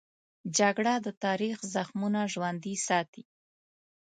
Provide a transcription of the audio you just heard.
جګړه د تاریخ زخمونه ژوندي ساتي